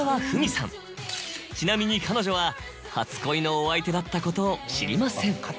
ちなみに彼女は初恋のお相手だったことを知りません。